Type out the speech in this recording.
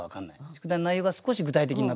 「宿題」の内容が少し具体的になった。